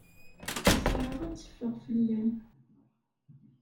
Ttesɛa ad teffeɣ fell-am.